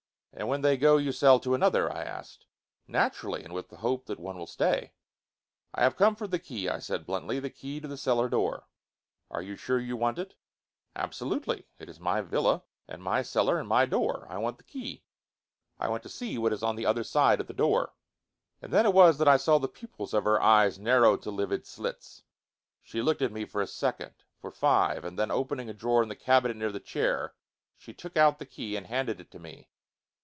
"And, when they go, you sell to another?" I asked. "Naturally, and with the hope that one will stay." "I have come for the key," I said bluntly, "the key to the cellar door." "Are you sure you want it?" "Absolutely! It is my villa and my cellar and my door. I want the key. I want to see what is on the other side of the door." And then it was that I saw the pupils of her eyes narrow to livid slits. She looked at me for a second, for five, and then opening a drawer in a cabinet near her chair, she took out the key and handed it to me.